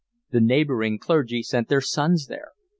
The neighbouring clergy sent their sons there.